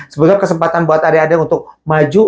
sebetulnya kesempatan buat adik adik untuk maju